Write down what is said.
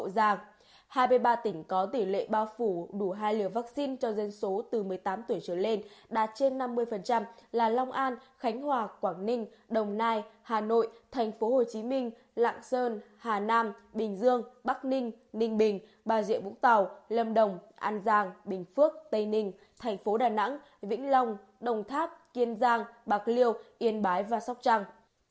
hai mươi ba tỉnh có tỷ lệ bao phủ đủ hai liều vaccine cho dân số từ một mươi tám tuổi trở lên đạt trên năm mươi là long an khánh hòa quảng ninh đồng nai hà nội tp hcm lạng sơn hà nam bình dương bắc ninh ninh bình bà rịa vũng tàu lâm đồng an giang bình phước tây ninh tp đà nẵng vĩnh long đồng tháp kiên giang bạc liêu yên bái và sóc trăng